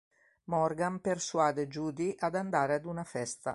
Morgan persuade Judy ad andare ad una festa.